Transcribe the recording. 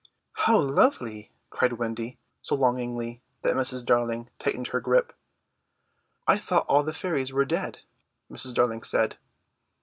"How lovely," cried Wendy so longingly that Mrs. Darling tightened her grip. "I thought all the fairies were dead," Mrs. Darling said.